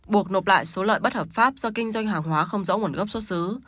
buộc nộp lại số lợi bất hợp pháp do kinh doanh hàng hóa không rõ nguồn gốc xuất xứ